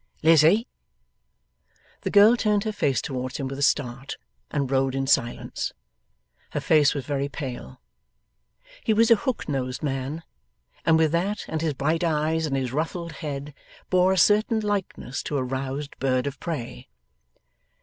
'Lizzie!' The girl turned her face towards him with a start, and rowed in silence. Her face was very pale. He was a hook nosed man, and with that and his bright eyes and his ruffled head, bore a certain likeness to a roused bird of prey.